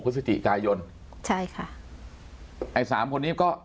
พฤศจิกายนใช่ค่ะไอ้สามคนนี้ก็